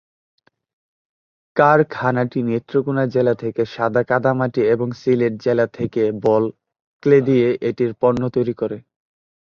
কারখানাটি নেত্রকোণা জেলা থেকে সাদা কাদামাটি এবং সিলেট জেলা থেকে বল ক্লে দিয়ে এটির পণ্য তৈরি করে।